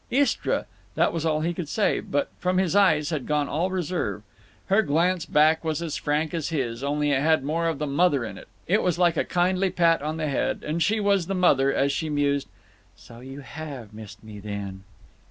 "Istra—" That was all he could say, but from his eyes had gone all reserve. Her glance back was as frank as his—only it had more of the mother in it; it was like a kindly pat on the head; and she was the mother as she mused: "So you have missed me, then?"